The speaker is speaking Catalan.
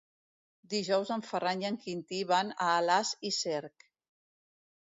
Dijous en Ferran i en Quintí van a Alàs i Cerc.